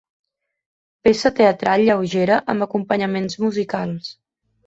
Peça teatral lleugera amb acompanyaments musicals.